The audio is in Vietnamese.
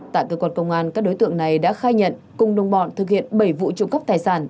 tại cơ quan công an các đối tượng này đã khai nhận cùng đồng bọn thực hiện bảy vụ trộm cắp tài sản